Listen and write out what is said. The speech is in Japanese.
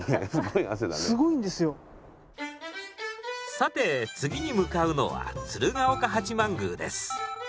さて次に向かうのは鶴岡八幡宮です。